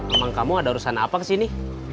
emang kamu ada urusan apa kesini